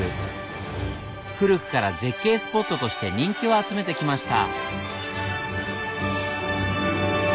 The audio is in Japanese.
古くから絶景スポットとして人気を集めてきました。